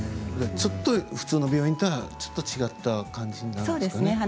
じゃあ、ちょっと普通の病院とはちょっと違った感じになるんですかね？